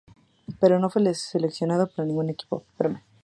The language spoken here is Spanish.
Pero no fue seleccionado por ningún equipo.